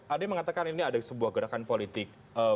ada yang mengatakan ini ada sebuah gerakan politik